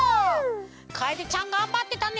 かえでちゃんがんばってたね！